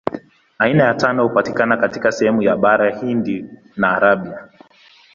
Aina ya tano hupatikana katika sehemu ya Bara Hindi na Arabia.